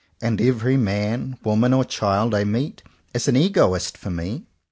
And every man, woman or child I meet is an egoist for me.